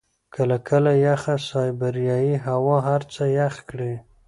کله کله یخه سایبریايي هوا هر څه يخ کړي.